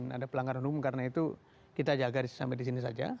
saya ingin ada pelanggaran umum karena itu kita jaga sampai di sini saja